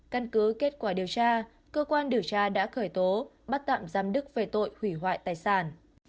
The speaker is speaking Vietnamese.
căn cứ kết quả điều tra cơ quan điều tra đã khởi tố bắt tạm giam đức về tội hủy hoại tài sản